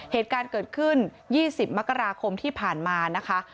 เหตุการณ์เกิดขึ้น๒๐มกราคมที่ผ่านมานะคะ